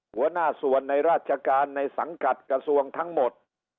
หัวหน้าส่วนในราชการในสังกัดกระทรวงทั้งหมด